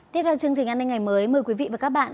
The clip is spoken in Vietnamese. tiếp theo chương trình an ninh ngày mới mời quý vị và các bạn